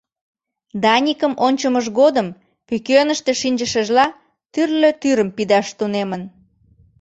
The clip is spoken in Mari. Даникым ончымыж годым, пӱкеныште шинчышыжла, тӱрлӧ тӱрым пидаш тунемын.